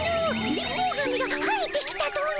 貧乏神が生えてきたとな。